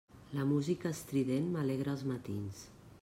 La música estrident m'alegra els matins.